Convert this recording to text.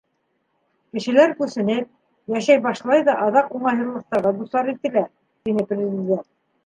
Кешеләр күсенеп, йәшәй башлай ҙа аҙаҡ уңайһыҙлыҡтарға дусар ителә, — тине Президент.